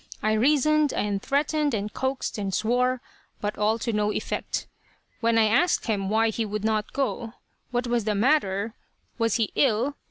I reasoned, and threatened, and coaxed, and swore, but all to no effect. "When I asked him why he would not go, what was the matter, was he ill?